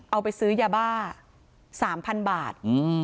เอาไปซื้อยาบ้า๓๐๐๐บาท